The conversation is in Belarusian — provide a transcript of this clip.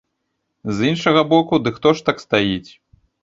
З іншага боку, ды хто ж так стаіць?